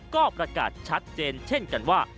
ก็ประกาศชัดเจนเช่นกันว่า